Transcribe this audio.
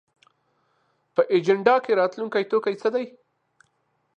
په اجنډا کې راتلونکی توکي څه دي؟